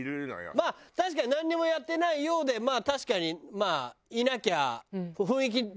まあ確かになんにもやってないようで確かにまあいなきゃ。